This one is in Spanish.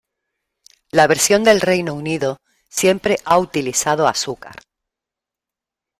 La versión del Reino Unido siempre ha utilizado azúcar.